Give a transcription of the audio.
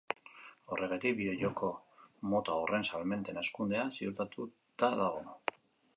Horregatik, bideo-joko mota horren salmenten hazkundea ziurtatuta dago.